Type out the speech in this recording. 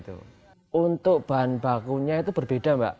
untuk bahan bakunya itu berbeda mbak